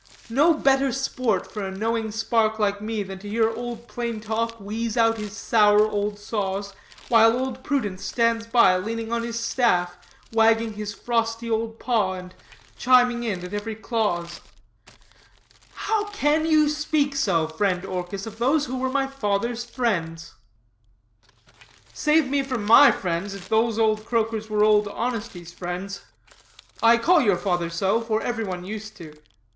No better sport for a knowing spark like me than to hear Old Plain Talk wheeze out his sour old saws, while Old Prudence stands by, leaning on his staff, wagging his frosty old pow, and chiming in at every clause.' "'How can you speak so, friend Orchis, of those who were my father's friends?'" "'Save me from my friends, if those old croakers were Old Honesty's friends. I call your father so, for every one used to.